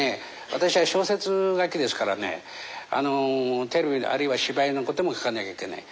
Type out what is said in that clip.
私は小説書きですからねテレビあるいは芝居のことも書かなきゃいけない。